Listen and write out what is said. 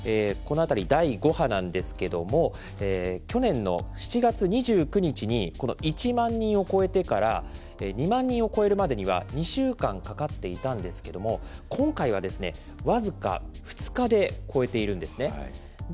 この辺り、第５波なんですけども、去年の７月２９日にこの１万人を超えてから、２万人を超えるまでには２週間かかっていたんですけれども、今回は僅か２日で超えているんですね。